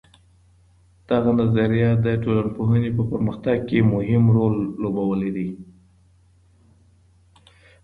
دغه نظريه د ټولنپوهنې په پرمختګ کي مهم رول لوبولی دی.